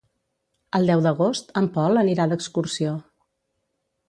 El deu d'agost en Pol anirà d'excursió.